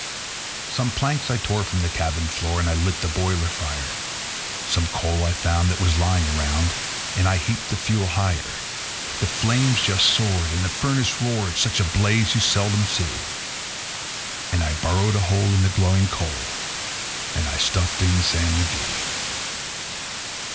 Some planks I tore from the cabin floor, and I lit the boiler fire; Some coal I found that was lying around, and I heaped the fuel higher; The flames just soared, and the furnace roared such a blaze you seldom see; And I burrowed a hole in the glowing coal, and I stuffed in Sam McGee.